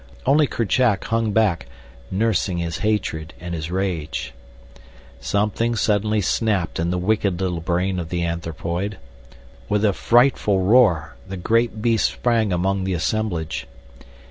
Only Kerchak hung back, nursing his hatred and his rage. Suddenly something snapped in the wicked little brain of the anthropoid. With a frightful roar the great beast sprang among the assemblage.